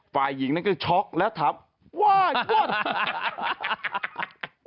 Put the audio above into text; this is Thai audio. ฝ่ายหญิงนั้นก็ช็อกแล้วถามว่าช็อก